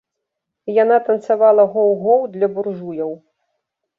Яна танцавала гоў-гоў для буржуяў.